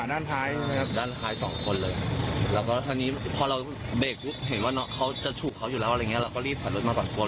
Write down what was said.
ด้านท้าย๒คนเลยพอเราเบรกเห็นว่าเขาจะชุบเขาอยู่แล้วอะไรอย่างนี้เราก็รีบถัดรถมาปัดกวน